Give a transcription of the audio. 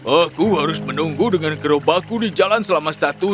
aku harus menunggu dengan gerobaku di jalan selama satu jam